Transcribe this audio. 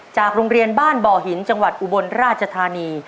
จากโรงเรียนบ้านบ่อหินจังหวัดอุบลราชธานี